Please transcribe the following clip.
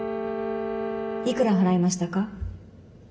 いくら払いましたか？